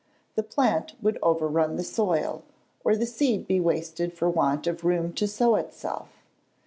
The plant would overrun the soil; or the seed be wasted for want of room to sow itself.